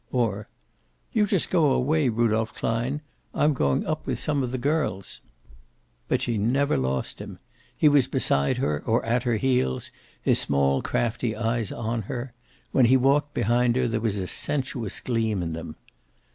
Or: "You just go away, Rudolph Klein. I'm going up with some of the girls." But she never lost him. He was beside her or at her heels, his small crafty eyes on her. When he walked behind her there was a sensuous gleam in them.